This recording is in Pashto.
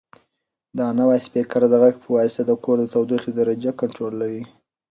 دا نوی سپیکر د غږ په واسطه د کور د تودوخې درجه کنټرولوي.